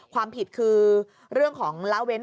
ความผิดคือเรื่องของละเว้น